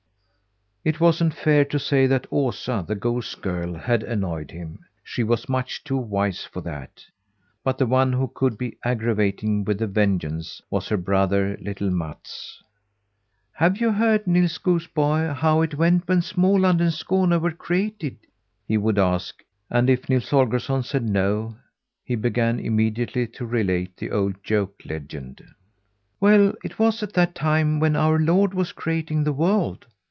It wasn't fair to say that Osa, the goose girl, had annoyed him. She was much too wise for that. But the one who could be aggravating with a vengeance was her brother, little Mats. "Have you heard, Nils Goose boy, how it went when Småland and Skåne were created?" he would ask, and if Nils Holgersson said no, he began immediately to relate the old joke legend. "Well, it was at that time when our Lord was creating the world.